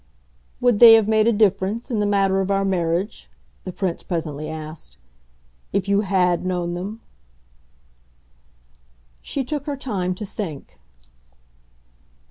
"Would they have made a difference, in the matter of our marriage," the Prince presently asked, "if you HAD known them?" She took her time to think.